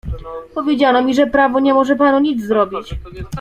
"Powiedziano mi, że prawo nie może panu nic zrobić."